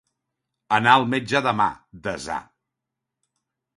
Anar al metge demà, desar.